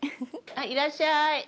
いらっしゃい。